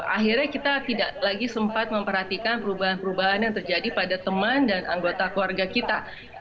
akhirnya kita tidak lagi sempat memperhatikan perubahan perubahan yang terjadi pada teman dan anggota keluarga kita